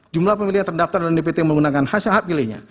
jumlah pemilih yang terdaftar dan dpt menggunakan hasil hak pilihnya